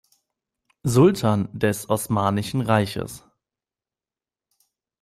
Sultan des Osmanischen Reiches.